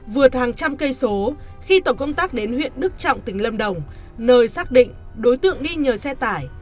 vượt hàng trăm cây số khi tổ công tác đến huyện đức trọng tỉnh lâm đồng nơi xác định đối tượng đi nhờ xe tải